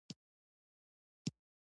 د همدې ځواک له امله تمدن دوام کوي.